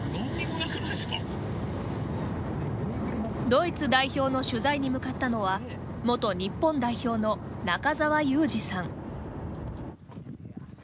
ドイツ代表の取材に向かったのは元日本代表の中澤佑二さん。